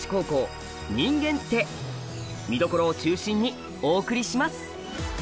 見どころを中心にお送りします！